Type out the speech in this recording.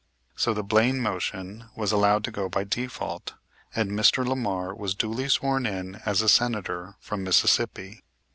So the Blaine motion was allowed to go by default, and Mr. Lamar was duly sworn in as a Senator from Mississippi.